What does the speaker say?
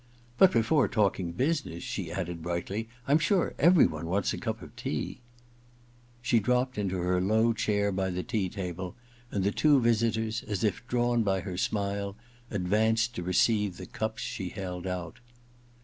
^ But before talking business/ she added brightly, * Fm sure every one wants a cup of tea/ She dropped into her low chair by the tea table, and the two visitors, as if drawn by her smile, advanced to receive the cups she held out.